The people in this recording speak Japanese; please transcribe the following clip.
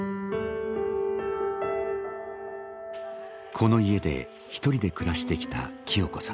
この家で一人で暮らしてきた清子さん。